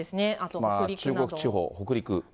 中国地方、北陸。